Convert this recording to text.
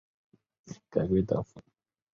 改归德府。